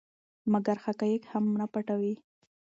مګر حقایق هم نه پټوي.